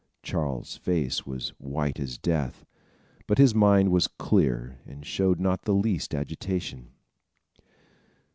Charles' face was white as death; but his mind was clear and showed not the least agitation.